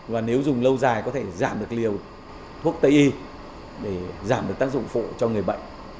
và nếu dùng lâu dài có thể giảm được liều thuốc tây y để giảm được tác dụng phụ cho người bệnh